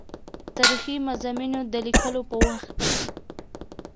تاریخي مضامینو د لیکلو په وخت کې.